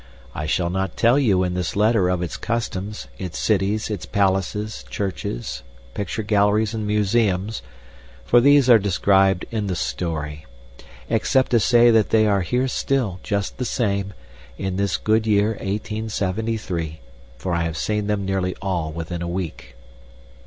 I shall not tell you in this letter of its customs, its cities, its palaces, churches, picture galleries and museums for these are described in the story except to say that they are here still, just the same, in this good year 1873, for I have seen them nearly all within a week.